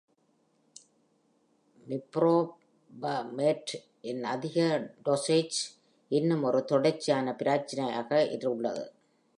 Meprobamate இன் அதிக dosage இன்னும் ஒரு தொடர்ச்சியான பிரச்சினையாக உள்ளது.